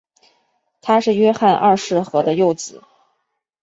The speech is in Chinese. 他是约翰二世和的幼子。